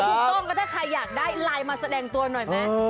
ถูกต้องก็ถ้าใครอยากได้ไลน์มาแสดงตัวหน่อยไหม